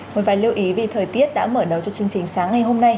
một vài lưu ý về thời tiết đã mở đầu cho chương trình sáng ngày hôm nay